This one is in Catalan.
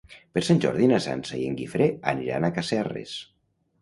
Per Sant Jordi na Sança i en Guifré aniran a Casserres.